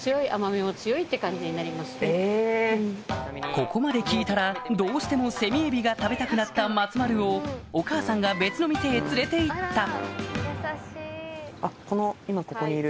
ここまで聞いたらどうしてもセミエビが食べたくなった松丸をお母さんが別の店へ連れて行ったあっこの今ここにいる。